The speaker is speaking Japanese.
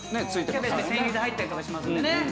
キャベツ千切りで入ったりとかしますんでね。